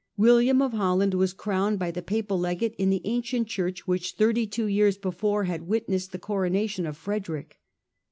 William of Holland was crowned by the Papal Legate in the ancient church which, thirty two years before, had witnessed the coronation of Fre derick.